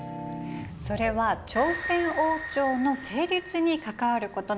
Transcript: それは朝鮮王朝の成立に関わることなの。